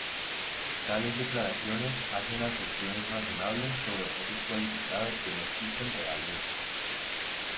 Tales declaraciones hacen aserciones razonables sobre objetos cualificados que no existen realmente.